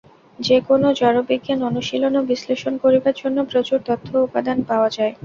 যে-কোন জড়বিজ্ঞান অনুশীলন ও বিশ্লেষণ করিবার জন্য প্রচুর তথ্য ও উপাদান পাওয়া যায়।